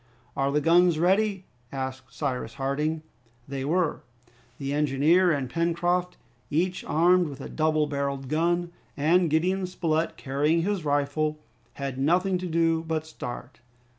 "Are the guns ready?" asked Cyrus Harding. They were. The engineer and Pencroft, each armed with a double barreled gun, and Gideon Spilett carrying his rifle, had nothing to do but start.